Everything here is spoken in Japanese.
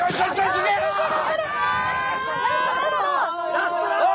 ラストラスト！